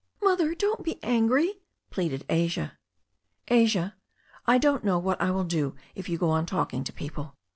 "Mother, don't be angry," pleaded Asia. "Asia, I don't know what I will do if you go on talking to people.